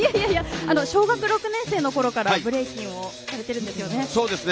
小学６年生のころからブレイキンをされてるんですよね。